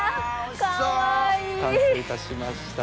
完成いたしました。